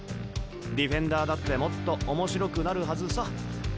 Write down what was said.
ディフェンダーだってもっと面白くなるはずさ。